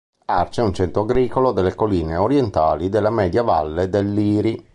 Arce è un centro agricolo delle colline orientali della media Valle del Liri.